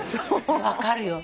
分かるよ。